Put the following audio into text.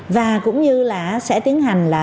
và cũng như là sẽ tiến hành là